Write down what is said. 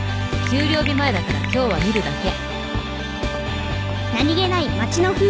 給料日前だから今日は見るだけ」。